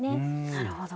なるほど。